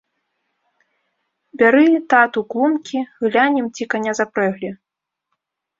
Бяры, тату, клумкі, глянем, ці каня запрэглі.